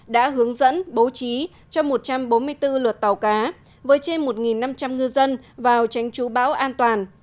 đã hướng dẫn bố trí cho một trăm bốn mươi bốn lượt tàu cá với trên một năm trăm linh ngư dân vào tránh trú bão an toàn